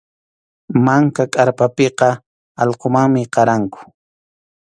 Manka kʼarpapiqa allqumanmi qaranku.